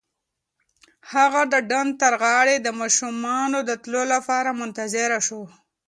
هغه د ډنډ تر غاړې د ماشومانو د تلو لپاره منتظره شوه.